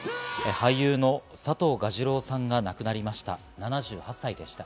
俳優の佐藤蛾次郎さんが亡くなりました。